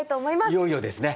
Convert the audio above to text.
いよいよですね